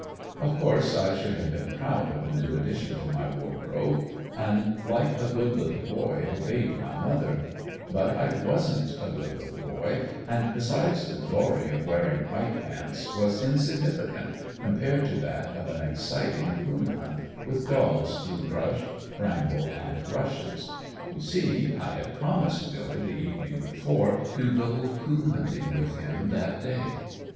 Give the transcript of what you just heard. Of course I should have been proud of the new addition to my wardrobe and like a good little boy obeyed my mother; but I wasn't a good little boy and besides the glory of wearing white pants was insignificant compared to that of an exciting coon hunt with dogs through brush, bramble and rushes. You see I had promised Billy the evening before to go coon hunting with him that day.